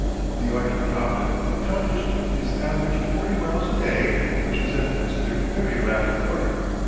The ardent Cobden accomplished his average of forty miles a day, which was then considered very rapid work.